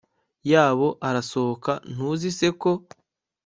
yabo arasohoka ntuzi se ko